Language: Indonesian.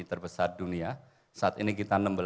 terbesar dunia saat ini kita